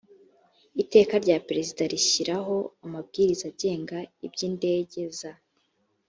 iteka rya perezida rishyiraho amabwiriza agenga iby indege za